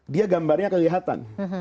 dia gambarnya kelihatan